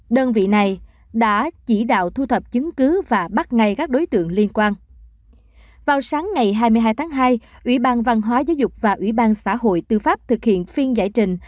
vào sáng ngày hai mươi hai tháng hai ủy ban văn hóa giáo dục và ủy ban xã hội tư pháp thực hiện phiên giải trình